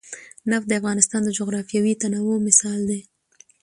نفت د افغانستان د جغرافیوي تنوع مثال دی.